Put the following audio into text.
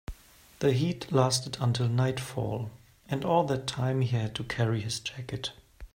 The heat lasted until nightfall, and all that time he had to carry his jacket.